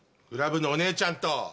クラブのお姉ちゃんと。